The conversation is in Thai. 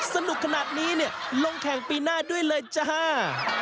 สนุกขนาดนี้เนี่ยลงแข่งปีหน้าด้วยเลยจ้า